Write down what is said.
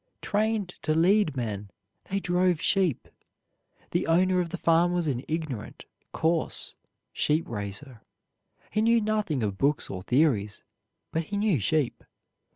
Trained to lead men, they drove sheep. The owner of the farm was an ignorant, coarse sheep raiser. He knew nothing of books or theories, but he knew sheep.